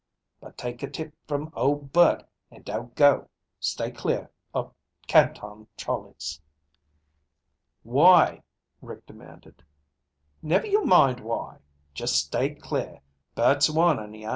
"But take a tip from ol' Bert and don't go. Stay clear o' Canton Charlie's." "Why?" Rick demanded. "Never you mind why. Just stay clear. Bert's warnin' you."